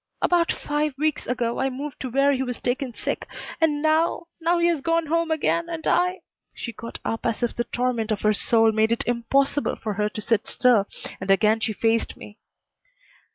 "About five weeks ago I moved to where he was taken sick. And now now he has gone home again and I " She got up as if the torment of her soul made it impossible for her to sit still, and again she faced me.